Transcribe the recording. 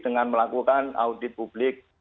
dengan melakukan audit publik